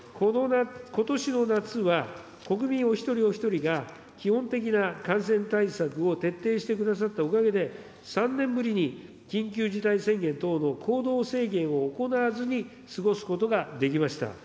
ことしの夏は、国民お一人お一人が基本的な感染対策を徹底してくださったおかげで、３年ぶりに緊急事態宣言等の行動制限を行わずに過ごすことができました。